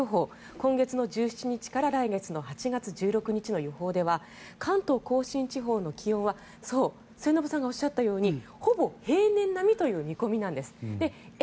今月１７日から来月８月１６日の予報では関東・甲信地方の気温は末延さんがおっしゃったようにほぼ平年並みという見込みなんです。え？